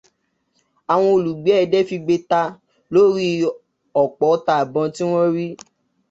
Àwọn olùgbé Ẹdẹ figbe ta lórí ọ̀pọ̀ ọta ìbọn tí wón rí.